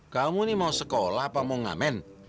kamu ini mau sekolah apa mau ngamen